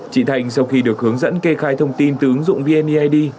chị thành sau khi được hướng dẫn kê khai thông tin từ ứng dụng vneid